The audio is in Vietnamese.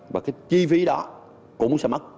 và cái chi phí đó cũng sẽ mất